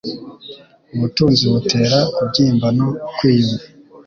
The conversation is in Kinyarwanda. ubutunzi butera kubyimba no kwiyumva